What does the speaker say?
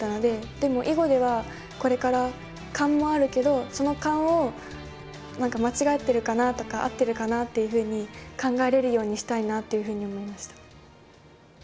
でも囲碁ではこれから「勘」もあるけどその「勘」を何か間違ってるかなとか合ってるかなっていうふうに考えれるようにしたいなっていうふうに思いました。